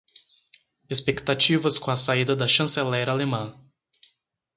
Expectativas com a saída da chanceler alemã